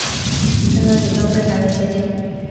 身高体重非常的接近